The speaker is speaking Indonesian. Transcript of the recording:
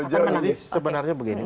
jadi sebenarnya begini